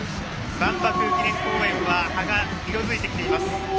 万博記念公園は葉が色づいてきています。